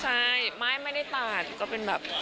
ใช่ไม่ได้ตัดก็เป็นแบบ